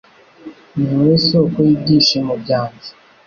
Ni wowe soko y'ibyishimo byanjye